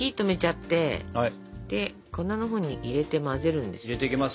で粉のほうに入れて混ぜるんです。